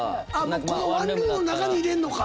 このワンルームん中に入れんのか。